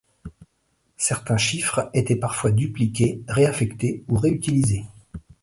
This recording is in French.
Certains chiffres étaient parfois dupliqués, réaffectés ou réutilisés.